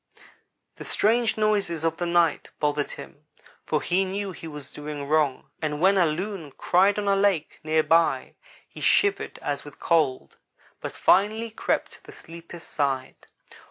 "The strange noises of the night bothered him, for he knew he was doing wrong, and when a Loon cried on a lake near by, he shivered as with cold, but finally crept to the sleeper's side.